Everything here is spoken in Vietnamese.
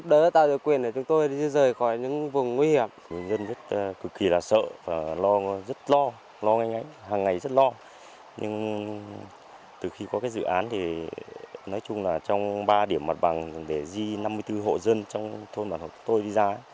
dự án thì nói chung là trong ba điểm mặt bằng để di năm mươi bốn hộ dân trong thôn bản hột tôi đi ra